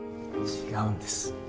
違うんです。